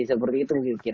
seperti itu mungkin